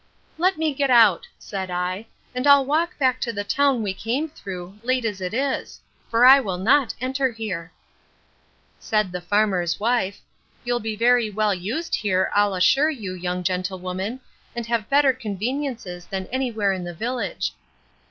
—Let me get out, said I, and I'll walk back to the town we came through, late as it is:—For I will not enter here. Said the farmer's wife, You'll be very well used here, I'll assure you, young gentlewoman, and have better conveniences than any where in the village.